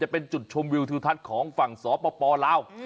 เป็นจุดชมวิวทิวทัศน์ของฝั่งสปลาว